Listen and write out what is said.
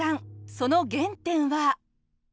その原点は。